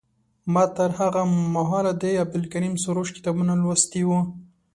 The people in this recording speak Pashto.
ما تر هغه مهاله د عبدالکریم سروش کتابونه لوستي وو.